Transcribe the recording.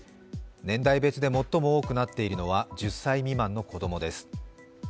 年代別で最も多くなっているのは１０歳未満の子供です。